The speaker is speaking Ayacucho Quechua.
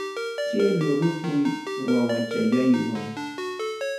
Cielo ripuy wawachallaywan.